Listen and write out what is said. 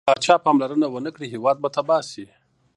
که پاچا پاملرنه ونه کړي، هیواد به تباه سي.